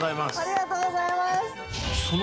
ありがとうございます。